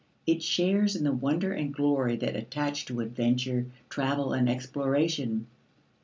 It shares in the wonder and glory that attach to adventure, travel, and exploration.